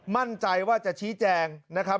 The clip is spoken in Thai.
มั่นใจว่าจะชี้แจงนะครับ